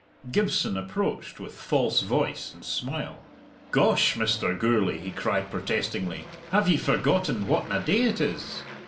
Gibson approached with false voice and smile. "Gosh, Mr. Gourlay!" he cried protestingly, "have ye forgotten whatna day it is?